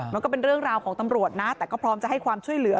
มันก็เป็นเรื่องราวของตำรวจนะแต่ก็พร้อมจะให้ความช่วยเหลือ